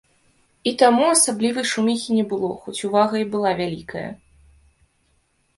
І таму асаблівай шуміхі не было, хоць увага і была вялікая.